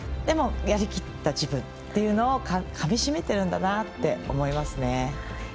やりきった自分というのをかみしめているんだなと思いますね。